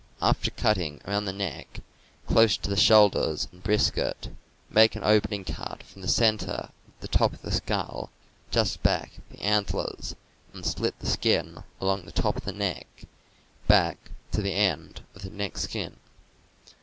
After cutting around the neck, close to the shoulders and brisket, make an opening cut from the center of the top of the skull, just back of the antlers, and slit the skin along the top of the neck, back to the end of the neck skin.